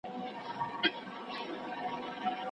ایا د کابل پوهنتون تدریسي نصاب نوی سوی دی؟